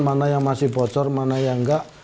mana yang masih bocor mana yang enggak